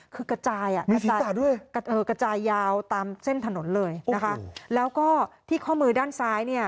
คือกระจายอะตามเส้นถนนเลยนะคะแล้วก็ที่ข้อมือด้านซ้ายเนี่ย